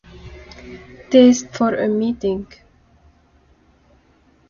Fungus is an important cash crop in the region.